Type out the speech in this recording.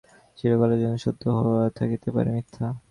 চিরকালের জন্য সত্য হইয়াও থাকিতে পারে মিথ্যা।